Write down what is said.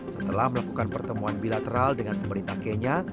setelah melakukan pertemuan bilateral dengan pemerintah kenya